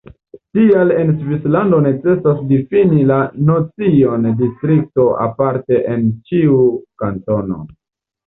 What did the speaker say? Tial en Svislando necesas difini la nocion distrikto aparte en ĉiu kantono.